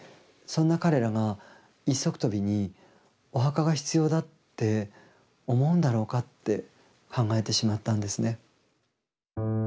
そんな彼らが一足飛びにお墓が必要だって思うんだろうかって考えてしまったんですね。